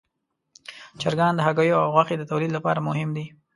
چرګان د هګیو او غوښې د تولید لپاره مهم دي.